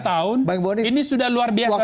tahun ini sudah luar biasa